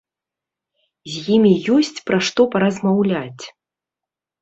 З імі ёсць пра што паразмаўляць.